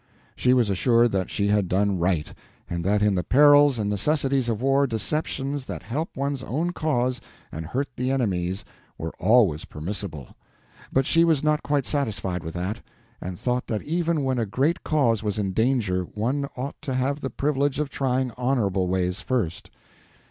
She was assured that she had done right, and that in the perils and necessities of war deceptions that help one's own cause and hurt the enemy's were always permissible; but she was not quite satisfied with that, and thought that even when a great cause was in danger one ought to have the privilege of trying honorable ways first.